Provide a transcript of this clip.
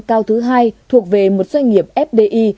cao thứ hai thuộc về một doanh nghiệp fdi